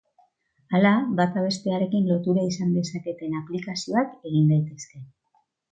Hala, bata bestearekin lotura izan dezaketen aplikazioak egin daitezke.